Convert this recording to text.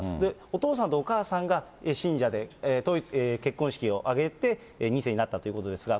お父さんとお母さんが信者で、結婚式を挙げて、２世になったということですが。